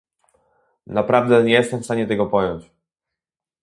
Naprawdę nie jestem w stanie tego pojąć